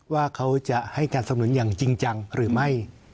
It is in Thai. ว่าเขาจะให้การสำนุนอย่างจริงจังหรือไม่